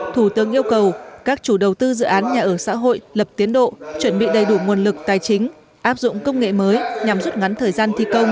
thủ tướng yêu cầu các chủ đầu tư dự án nhà ở xã hội lập tiến độ chuẩn bị đầy đủ nguồn lực tài chính áp dụng công nghệ mới nhằm rút ngắn thời gian thi công